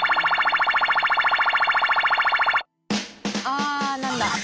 あ何だ？